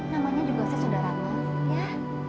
namanya juga saya saudara mas ya